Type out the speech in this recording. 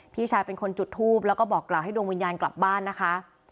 พี่ชายเป็นคนจุดทูปแล้วก็บอกกล่าวให้ดวงวิญญาณกลับบ้านนะคะ